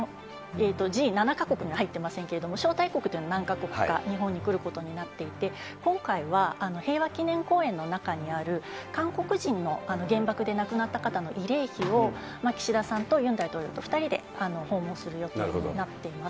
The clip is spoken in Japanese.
Ｇ７か国には入っていませんけれども、招待国というのは何か国か日本に来ることになっていて、今回は平和記念公園の中にある韓国人の原爆で亡くなった方の慰霊碑を、岸田さんとユン大統領と２人で訪問する予定になっています。